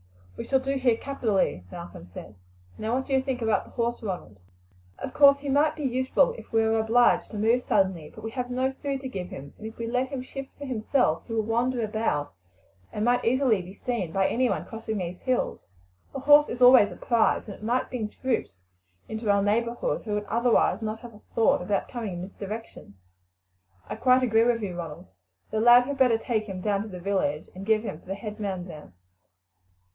"We shall do here capitally," Malcolm said. "Now, what do you think about the horse, Ronald?" "Of course he might be useful if we were obliged to move suddenly; but we have no food to give him, and if we let him shift for himself he will wander about, and might easily be seen by anyone crossing these hills. A horse is always a prize, and it might bring troops out into our neighbourhood who would otherwise not have a thought about coming in this direction." "I quite agree with you, Ronald. The lad had better take him down to the village, and give him to the head man there.